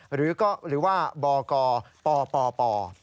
หรือว่าบกปป